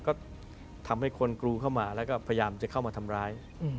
ก็ทำให้คนกรูเข้ามาแล้วก็พยายามจะเข้ามาทำร้าย